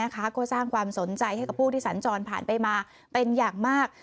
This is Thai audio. ก็สร้างความสนใจให้กับผู้ที่สัญจรผ่านไปมาเป็นอย่างมาก